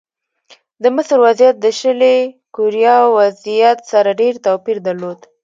د مصر وضعیت د شلي کوریا وضعیت سره ډېر توپیر درلود.